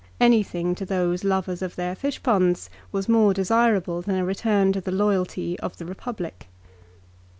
Anything to those lovers of their fishponds was more desirable than a return to the loyalty of the Eepublic.